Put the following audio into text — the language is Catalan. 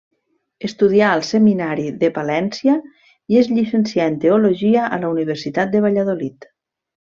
Estudià al Seminari de Palència i es llicencià en teologia a la Universitat de Valladolid.